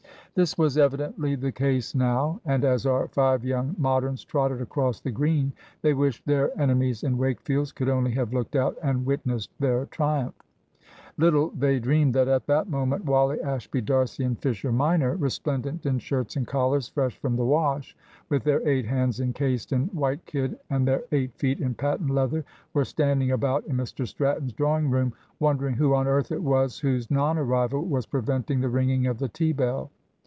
This was evidently the ease now, and as our five young Moderns trotted across the Green, they wished their enemies in Wakefield's could only have looked out and witnessed their triumph. Little they dreamed that at that moment Wally, Ashby, D'Arcy, and Fisher minor, resplendent in shirts and collars fresh from the wash, with their eight hands encased in white kid and their eight feet in patent leather, were standing about in Mr Stratton's drawing room, wondering who on earth it was whose non arrival was preventing the ringing of the tea bell.